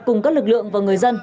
cùng các lực lượng và người dân